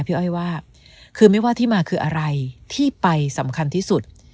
อ้อยว่าคือไม่ว่าที่มาคืออะไรที่ไปสำคัญที่สุด